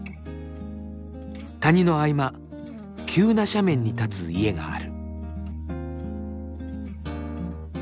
谷の合間急な斜面に立つ家がある。